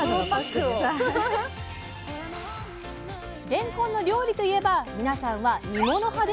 れんこんの料理といえば皆さんは煮物派ですか？